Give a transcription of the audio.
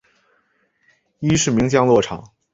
伊是名降落场。